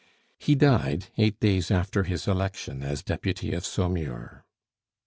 He died eight days after his election as deputy of Saumur.